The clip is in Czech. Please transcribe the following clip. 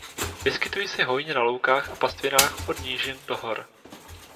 Vyskytují se hojně na loukách a pastvinách od nížin do hor.